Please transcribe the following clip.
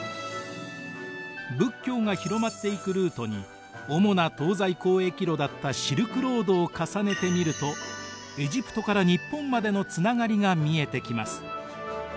仏教が広まっていくルートに主な東西交易路だったシルクロードを重ねてみるとエジプトから日本までのつながりが見えてきます。